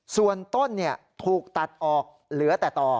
ส่วนต้นถูกตัดออกเหลือแต่ต่อ